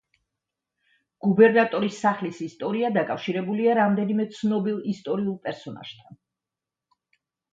გუბერნატორის სახლის ისტორია დაკავშირებულია რამდენიმე ცნობილ ისტორიულ პერსონაჟთან.